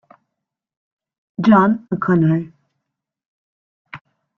John O'Connor.